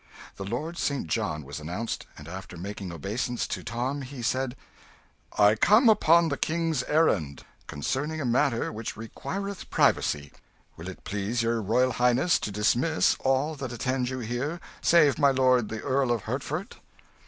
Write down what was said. The Lord St. John was announced, and after making obeisance to Tom, he said "I come upon the King's errand, concerning a matter which requireth privacy. Will it please your royal highness to dismiss all that attend you here, save my lord the Earl of Hertford?"